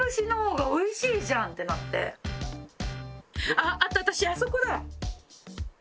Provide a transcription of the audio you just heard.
あっあと私あそこだ。